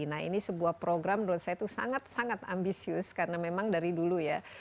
nah ini sebuah program menurut saya itu sangat sangat ambisius karena memang dari dulu ya